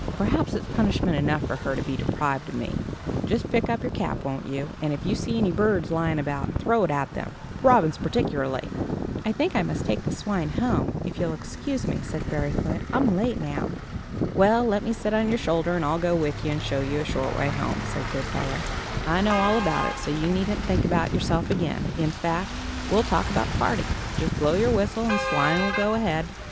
Perhaps it's punishment enough for her to be deprived of me. Just pick up your cap, won't you? and if you see any birds lying about, throw it at them, robins particularly." "I think I must take the swine home, if you'll excuse me," said Fairyfoot, "I'm late now." "Well, let me sit on your shoulder and I'll go with you and show you a short way home," said Goodfellow; "I know all about it, so you needn't think about yourself again. In fact, we'll talk about the party. Just blow your whistle, and the swine will go ahead."